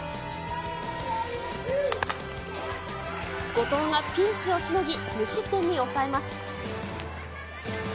後藤がピンチをしのぎ、無失点に抑えます。